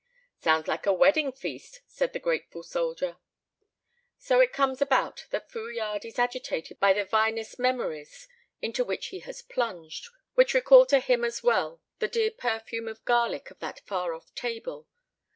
"Sounds like a wedding feast," said the grateful soldier. So it comes about that Fouillade is agitated by the vinous memories into which he has plunged, which recall to him as well the dear perfume of garlic on that far off table.